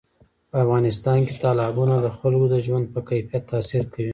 په افغانستان کې تالابونه د خلکو د ژوند په کیفیت تاثیر کوي.